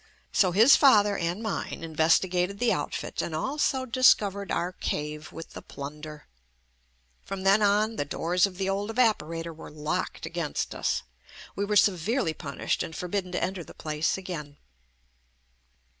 So his father and mine investigated the outfit and also discovered our cave with the plunder. From then on the doors of the old evaporator were locked against us. We were severely punished and forbidden to enter the place again.